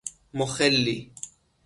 مخلی